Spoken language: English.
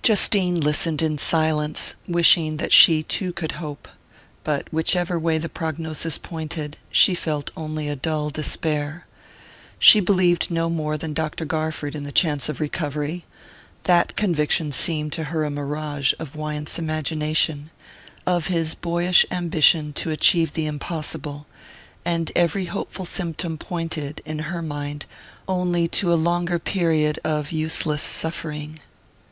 Justine listened in silence, wishing that she too could hope. But whichever way the prognosis pointed, she felt only a dull despair. She believed no more than Dr. Garford in the chance of recovery that conviction seemed to her a mirage of Wyant's imagination, of his boyish ambition to achieve the impossible and every hopeful symptom pointed, in her mind, only to a longer period of useless suffering.